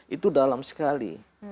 itu dalam sekali